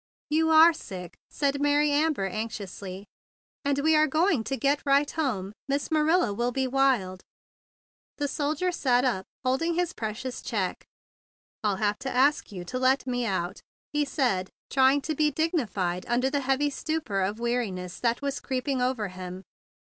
"You are sick!" said Mary Amber anxiously; "and we are going to get right home. Miss Marilla will be wild." The soldier sat up holding his pre¬ cious check. "I'll have to ask you to let me out," he said, trying to be dignified under the heavy stupor of weariness that was creeping over him.